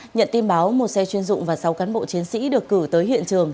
nhận tin báo một xe chuyên dụng và sáu cán bộ chiến sĩ được cử tới hiện trường